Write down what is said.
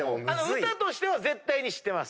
歌としては絶対に知ってます。